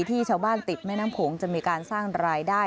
ที่ชาวบ้านติดแม่น้ำโขงจะมีการสร้างรายได้